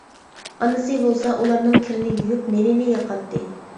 ئانىسى بولسا، ئۇلارنىڭ كىرىنى يۇيۇپ، نېنىنى ياقاتتى.